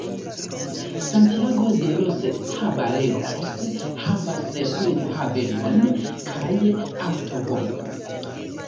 Santiago de los Caballeros havas flughavenon kaj aŭtovojon.